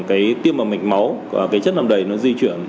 cái tiêm vào mạch máu và cái chất làm đầy nó di chuyển